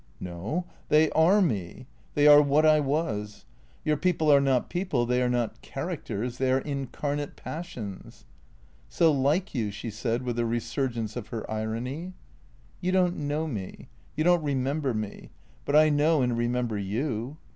" No. They are me. They are what I was. Your people THECREATOES 235 are not people, they are not characters, they are incarnate pas sions." " So like you," she said, with a resurgence of her irony. " You don't know me. You don't remember me. But I know and remember you.